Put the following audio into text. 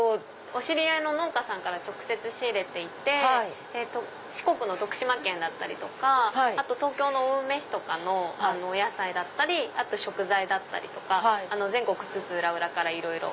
お知り合いの農家さんから直接仕入れていて四国の徳島県だったり東京の青梅市とかのお野菜だったり食材だったりとか全国津々浦々からいろいろ。